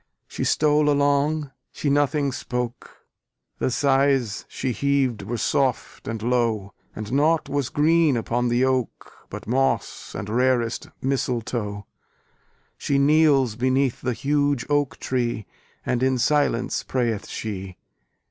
She stole along, she nothing spoke, The sighs she heaved were soft and low, And naught was green upon the oak, But moss and rarest mistletoe: She kneels beneath the huge oak tree, And in silence prayeth she.